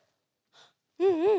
うんうん。